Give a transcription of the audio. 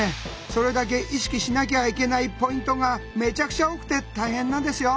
それだけ意識しなきゃいけないポイントがめちゃくちゃ多くて大変なんですよ。